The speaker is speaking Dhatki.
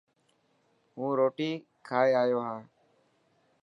هون روٽي کائي آيو هان.